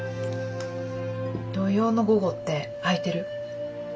土曜の午後って空いてる？